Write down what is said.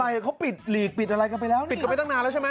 ใช่เขาปิดหลีกปิดอะไรกันไปแล้วนะปิดกันไปตั้งนานแล้วใช่ไหม